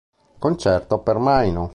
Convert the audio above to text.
Concerto per Maino".